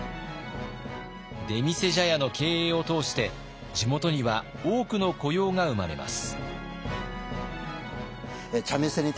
出店茶屋の経営を通して地元には多くの雇用が生まれます。